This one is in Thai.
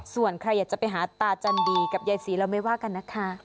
ส่วนใครอยากจะไปหาตาจันดีกับยายศรีเราไม่ว่ากันนะคะ